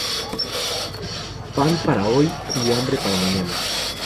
Pan para hoy, y hambre para mañana